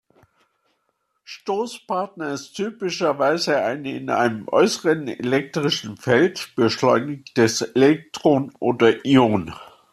Stoßpartner ist typischerweise ein in einem äußeren elektrischen Feld beschleunigtes Elektron oder Ion.